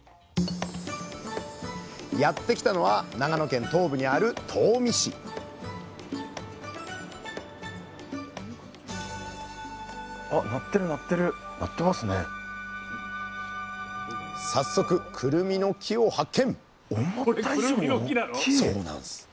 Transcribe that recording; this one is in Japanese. やって来たのは長野県東部にある東御市早速くるみの木を発見！